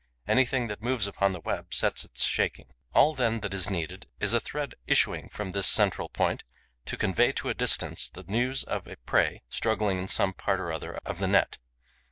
Anything that moves upon the web sets it shaking. All then that is needed is a thread issuing from this central point to convey to a distance the news of a prey struggling in some part or other of the net.